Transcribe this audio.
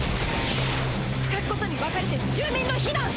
区画ごとに分かれて住民の避難！